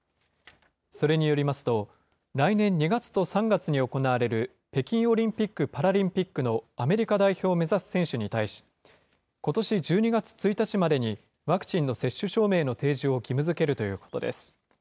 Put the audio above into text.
それによりますと、来年２月と３月に行われる北京オリンピック・パラリンピックのアメリカ代表を目指す選手に対し、ことし１２月１日までにワクチンの接種証明の提示を義務づけるということです。